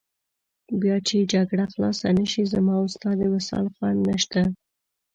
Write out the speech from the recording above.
بیا چې جګړه خلاصه نه شي، زما او ستا د وصال خوند نشته.